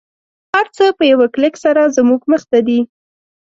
هر څه په یوه کلیک سره زموږ مخته دی